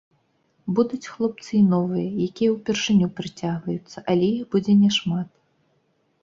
Будуць хлопцы і новыя, якія ўпершыню прыцягваюцца, але іх будзе не шмат.